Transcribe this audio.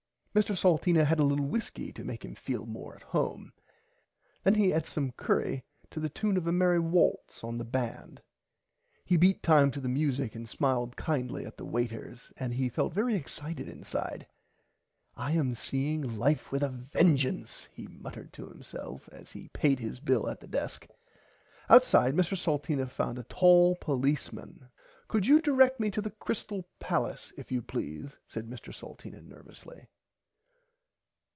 Mr Salteena had a little whiskey to make him feel more at home. Then he eat some curry to the tune of a merry valse on the band. He beat time to the music and smiled kindly at the waiters and he felt very excited inside. I am seeing life with a vengance he muttered to himself as he paid his bill at the desk. Outside Mr Salteena found a tall policeman. Could you direct me to the Crystale Pallace if you please said Mr Salteena nervously.